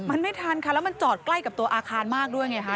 มันไม่ทันค่ะแล้วมันจอดใกล้กับตัวอาคารมากด้วยไงคะ